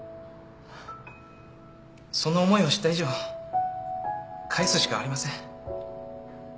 その思いを知った以上返すしかありません。